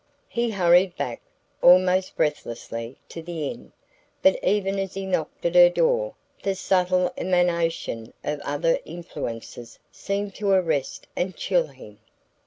He hurried back, almost breathlessly, to the inn; but even as he knocked at her door the subtle emanation of other influences seemed to arrest and chill him.